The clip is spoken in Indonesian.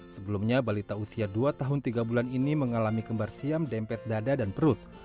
sebelumnya balita usia dua tahun tiga bulan ini mengalami kembar siam dempet dada dan perut